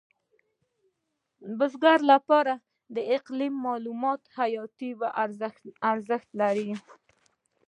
د بزګر لپاره اقلیمي معلومات حیاتي ارزښت لري.